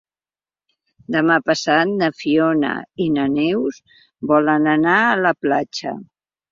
Demà passat na Fiona i na Neus volen anar a la platja.